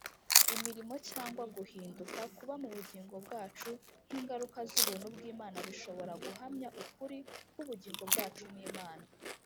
Imirimo cyangwa guhinduka, kuba mu bugingo bwacu nk’ ingaruka z'ubuntu bw'Imana bishobora guhamya ukuri kw'ubugingo bwacu n’Imana.